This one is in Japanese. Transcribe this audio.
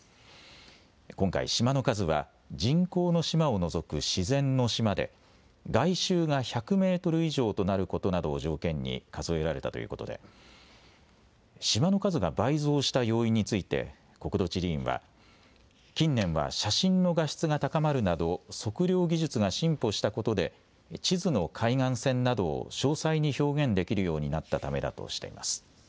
今回、島の数は人工の島を除く自然の島で外周が１００メートル以上となることなどを条件に数えられたということで島の数が倍増した要因について国土地理院は、近年は写真の画質が高まるなど測量技術が進歩したことで地図の海岸線などを詳細に表現できるようになったためだとしています。